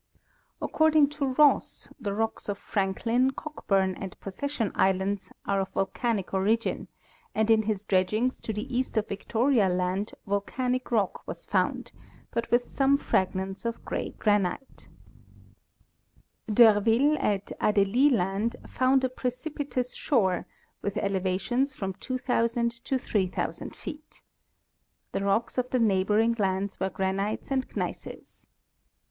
According to Ross, the rocks of Franklin, Cockburn and Possession islands are of volcanic origin, and in his dredgings to the east of Victoria land volcanic rock was found, but with some fragments of gray granite. An 222 Cyrus C. Babb—Geographic Notes. D'Urville, at Adélie land, found a precipitous shore, with ele vations from 2,009 to 3,000 feet. The rocks of the neighboring islands were granites and eneisses.